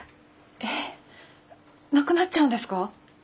えなくなっちゃうんですか？